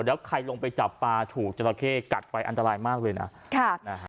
แล้วใครลงไปจับปลาถูกจราเข้กัดไปอันตรายมากเลยนะ